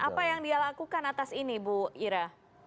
apa yang dia lakukan atas ini bu ira